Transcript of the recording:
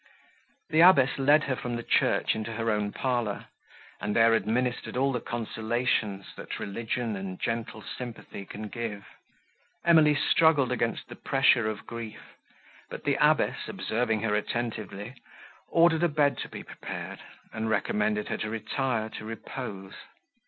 The abbess led her from the church into her own parlour, and there administered all the consolations, that religion and gentle sympathy can give. Emily struggled against the pressure of grief; but the abbess, observing her attentively, ordered a bed to be prepared, and recommended her to retire to repose.